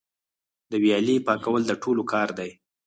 د ویالې پاکول د ټولو کار دی؟